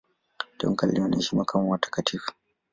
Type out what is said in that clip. Tangu kale wanaheshimiwa kama watakatifu.